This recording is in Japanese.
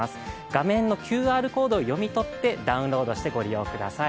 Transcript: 画面のＱＲコードを読み取ってダウンロードしてご利用ください。